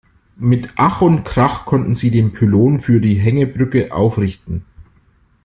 Mit Ach und Krach konnten sie den Pylon für die Hängebrücke aufrichten.